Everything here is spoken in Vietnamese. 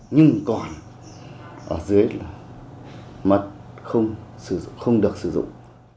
nhưng còn ở dưới là mật không được sử dụng